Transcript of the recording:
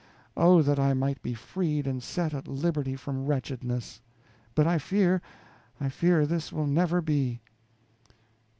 Oh, that I might be freed and set at liberty from wretchedness! But I fear, I fear this will never be.